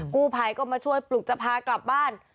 กู้ภัยก็มาช่วยปลุกจะพากลับบ้าน